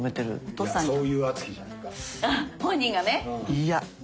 いや。